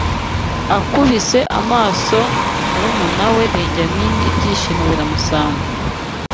Akubise amaso murumuna we Benyamini ibyishimo biramusaga